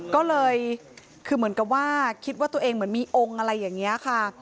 ก็เลยคือเหมือนกับว่าคิดว่าตัวเองเหมือนมีองค์อะไรอย่างนี้ค่ะ